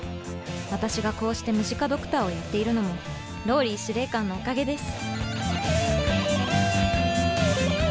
私がこうしてムジカ・ドクターをやっているのもＲＯＬＬＹ司令官のおかげです。